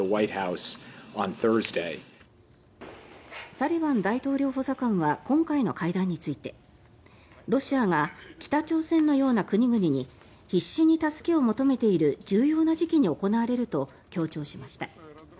サリバン大統領補佐官は今回の会談についてロシアが北朝鮮のような国々に必死に助けを求めている重要な時期に行われると強調しました。